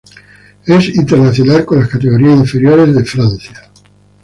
Es internacional con las categorías inferiores de Francia.